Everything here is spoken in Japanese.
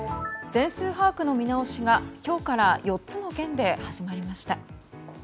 全数把握の見直しが今日から４つの県で始まりました。